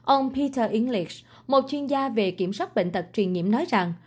ông peter english một chuyên gia về kiểm soát bệnh tật truyền nhiễm nói rằng